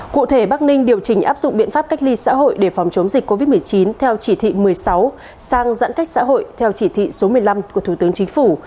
cụ thể bắc ninh điều chỉnh áp dụng biện pháp cách ly xã hội để phòng chống dịch covid một mươi chín theo chỉ thị một mươi sáu sang giãn cách xã hội theo chỉ thị số một mươi năm của thủ tướng chính phủ